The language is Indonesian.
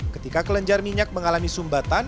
ketika kelenjar minyak mengalami sumbatan